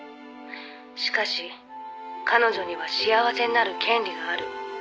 「しかし彼女には幸せになる権利がある」